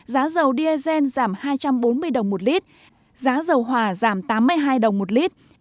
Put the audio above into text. giá dầu diesel giảm hai trăm bốn mươi đồng một lít giá dầu hòa giảm tám mươi hai đồng một lít